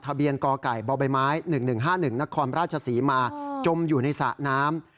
ทะเบียนกอไก่เบาะใบไม้หนึ่งหนึ่งห้าหนึ่งนครราชศรีมาจมอยู่ในสระน้ำ